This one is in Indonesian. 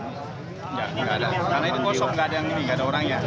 enggak enggak ada karena ini kosong enggak ada orang ya